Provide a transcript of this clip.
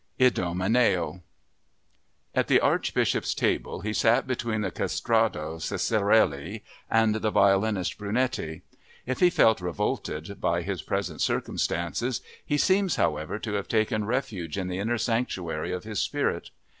Idomeneo At the Archbishop's table he sat between the castrato Ceccarelli and the violinist Brunetti. If he felt revolted by his present circumstances he seems, however, to have taken refuge in the inner sanctuary of his spirit.